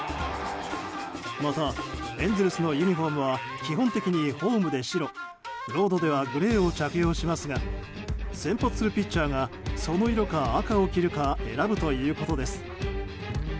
またエンゼルスのユニホームは基本的にホームで白それ以外ではグレーを着用しますが先発するピッチャーがその色か赤を着るか選ぶということです。